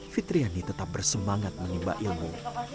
fitriani tetap bersemangat menimba ilmu